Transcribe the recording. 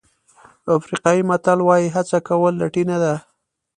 افریقایي متل وایي هڅه کول لټي نه ده.